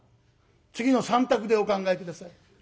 次の３択でお考え下さい。